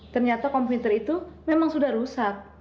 ternyata komputer itu memang sudah rusak